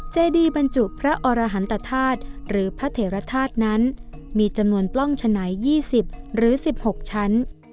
เจดีบรรจุพระอรหันตธาตุหรือพระเถรธาตุนั้นมีจำนวนปล้องฉะไหน๒๐หรือ๑๖ชั้น